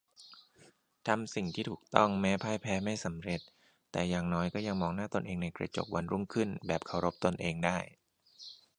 ทำสิ่งที่ถูกต้อง แม้พ่ายแพ้ ไม่สำเร็จ แต่อย่างน้อย ยังมองหน้าตนเองในกระจกวันรุ่งขึ้นแบบเคารพตนเองได้